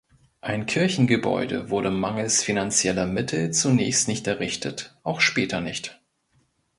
Ein Kirchengebäude wurde mangels finanzieller Mittel zunächst nicht errichtet, auch später nicht.